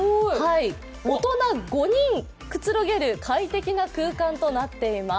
大人５人くつろげる快適な空間となっています。